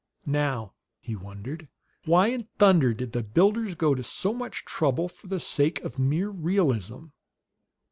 "Now," he wondered, "why in thunder did the builders go to so much trouble for the sake of mere realism?"